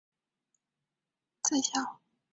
文森在校期间做过零工。